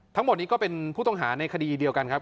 ทั้งหมดนี้ก็เป็นผู้ต้องหาในคดีเดียวกันครับ